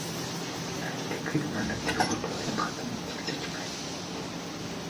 Харин тэгэхэд манай цэргүүд үхэн хатан үзэлцэж байна.